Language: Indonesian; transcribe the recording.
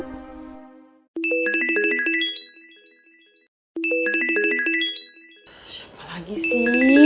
tindegen ini ternyata laptopnya tapi wydisa